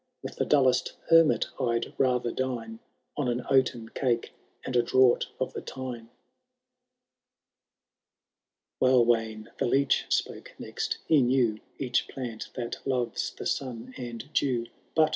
With the dullest hermit I*d rather dine On an oaten cake and a draught of the Tyne. IX. Walwayn the Leech spoke next — he knew Each plant that loves the sun and dew, Cbnto iV* HABOLD THB DAUMTLIM.